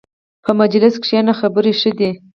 په مجلس کښېنه، خبرې ښې دي.